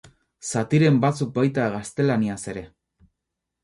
Zatiren batzuk baita gaztelaniaz ere.